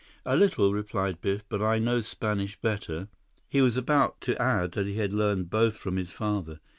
"A little," replied Biff, "but I know Spanish better." He was about to add that he had learned both from his father.